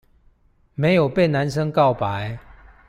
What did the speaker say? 沒有被男生告白